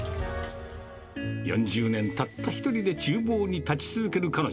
４０年、たった一人でちゅう房に立ち続ける彼女。